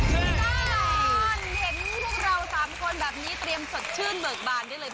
เห็นพวกเรา๓คนแบบนี้เตรียมสดชื่นเบิกบานได้เลย